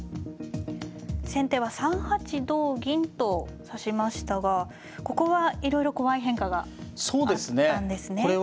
先手は３八同銀と指しましたがここはいろいろ怖い変化があったんですね。